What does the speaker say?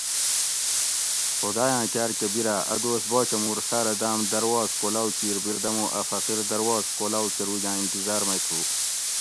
خُداۤیاۤں کاۤر کہ بیراۤ اۤدوس باچہ مُور ساۤرہ داۤم درواز کولاؤ کیر بیردمُو اۤ فقیر درواز کولاؤ کروگاۤں انتظاۤر مئ تھُو